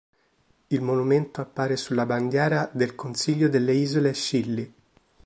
Il monumento appare sulla bandiera del "Consiglio delle Isole Scilly".